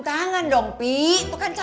kalian kemana aja